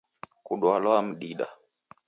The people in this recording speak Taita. Kudwalwa mdida